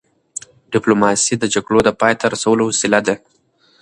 ډيپلوماسي د جګړو د پای ته رسولو وسیله ده.